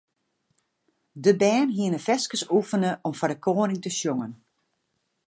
De bern hiene ferskes oefene om foar de koaning te sjongen.